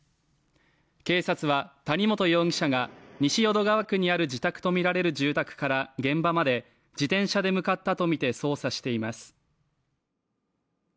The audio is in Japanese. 警察は、谷本容疑者が、西淀川区にある自宅とみられる住宅から現場まで自転車で向かったとみて捜査しています。